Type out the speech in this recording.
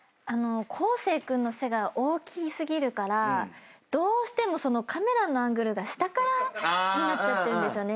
康成君の背が大き過ぎるからどうしてもカメラのアングルが下からになっちゃってるんですよね。